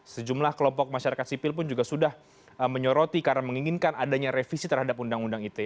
sejumlah kelompok masyarakat sipil pun juga sudah menyoroti karena menginginkan adanya revisi terhadap undang undang ite